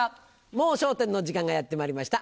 『もう笑点』の時間がやってまいりました。